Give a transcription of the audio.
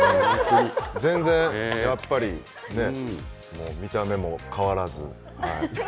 全然やっぱりね見た目も変わらず。